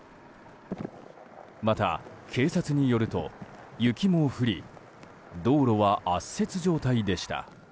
また、警察によると雪も降り道路は圧雪状態でした。